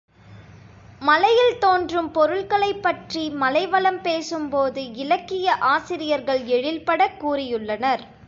மலையில் தோன்றும் பொருள்களைப் பற்றி மலைவளம் பேசும் போது இலக்கிய ஆசிரியர்கள் எழில்படக் கூறியுள்ளனர்.